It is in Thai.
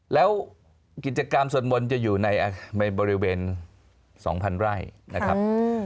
แล้วกิจกรรมสวดมนต์จะอยู่ในบริเวณ๒๐๐๐ไร่นะครับ